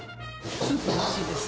スープおいしいです。